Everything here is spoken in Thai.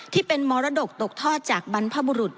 ที่เป็นมรดกตกทอดจากบรรพบุรุษ